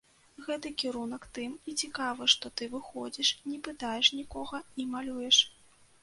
Гэты кірунак тым і цікавы, што ты выходзіш, не пытаеш нікога, і малюеш.